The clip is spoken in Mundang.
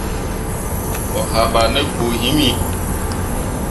Mo haɓah ne põo himi.